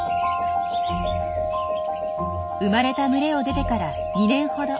生まれた群れを出てから２年ほど。